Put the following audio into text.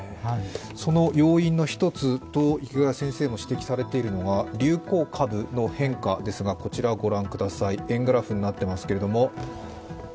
その要因の一つと池谷先生も指摘されているのが流行株の変化ですが、こちらご覧ください、円グラフになっています。